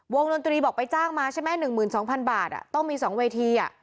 ดนตรีบอกไปจ้างมาใช่ไหม๑๒๐๐๐บาทต้องมี๒เวที